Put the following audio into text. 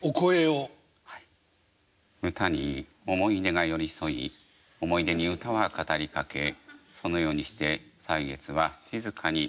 「歌に思い出が寄り添い思い出に歌は語りかけそのようにして歳月は静かに流れていきます。